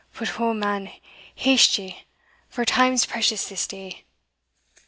But, O man, haste ye, for time's precious this day."